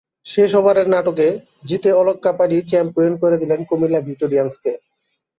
শেষ ওভারের নাটকে জিতে অলক কাপালি চ্যাম্পিয়ন করে দিলেন কুমিল্লা ভিক্টোরিয়ানসকে।